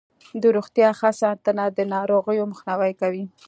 د روغتیا ښه ساتنه د ناروغیو مخنیوی کوي.